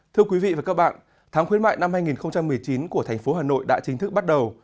thưa quý vị và các bạn tháng khuyến mại năm hai nghìn một mươi chín của thành phố hà nội đã chính thức bắt đầu